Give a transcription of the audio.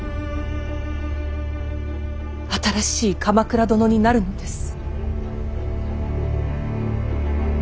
新しい鎌倉殿になるのです。